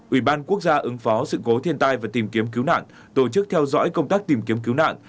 ủy ban quốc gia ứng phó sự cố thiên tai và tìm kiếm cứu nạn tổ chức theo dõi công tác tìm kiếm cứu nạn